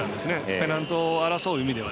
ペナントを争う意味では。